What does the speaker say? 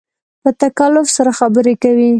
په تکلف سره خبرې کوې